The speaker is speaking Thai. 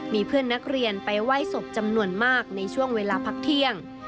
มีเพื่อนนักเรียนไปไหว้ศพจำนวนมากในช่วงเวลาพักเที่ยง